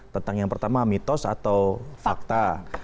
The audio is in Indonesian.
tentang yang pertama mitos atau fakta